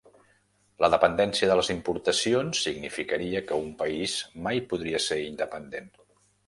La dependència de les importacions significaria que un país mai podria ser independent.